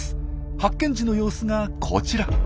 発見時の様子がこちら。